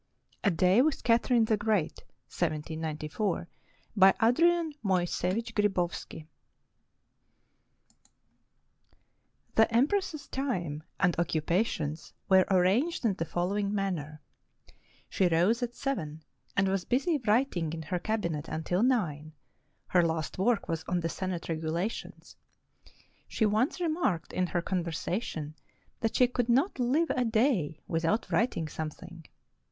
A DAY WITH CATHERINE THE GREAT BY ADRIAN MOYSEEVICH GRIBOVSKI The empress's time and occupations were arranged in the following manner: She rose at seven, and was busy writing in her cabinet until nine (her last work was on the Senate Regulations). She once remarked in her conversation that she could not Uve a day without writ ing something.